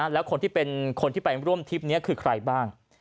แล้วคนที่ไปร่วมทริปนี้คือใครบ้าง